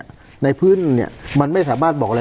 ยังไม่ได้รวมถึงกรณีว่าคุณปรินาจะได้ที่ดินเพื่อการเกษตรหรือเปล่า